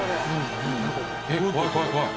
えっ怖い怖い怖い！